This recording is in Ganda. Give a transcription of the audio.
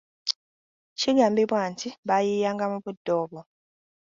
Kigambibwa nti baayiiyanga mu budde obwo.